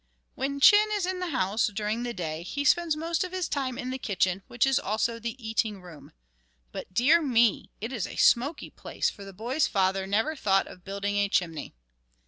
When Chin is in the house during the day, he spends most of his time in the kitchen, which is also the eating room. But, dear me! it is a smoky place, for the boy's father never thought of building a chimney.